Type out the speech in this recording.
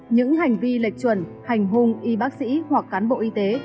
những hành vi lệch chuẩn hành hung y bác sĩ hoặc cán bộ y tế